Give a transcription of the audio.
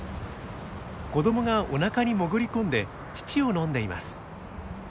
子どもがおなかに潜り込んで乳を飲んでいます。